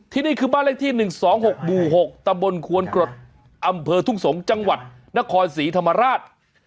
นี่คือบ้านเลขที่๑๒๖หมู่๖ตำบลควนกรดอำเภอทุ่งสงศ์จังหวัดนครศรีธรรมราช